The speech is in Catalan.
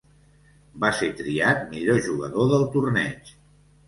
Va ser triat millor jugador del torneig.